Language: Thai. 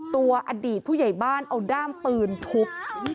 อดีตผู้ใหญ่บ้านเอาด้ามปืนทุบ